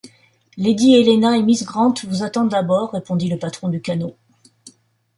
Lady Helena et miss Grant vous attendent à bord, répondit le patron du canot.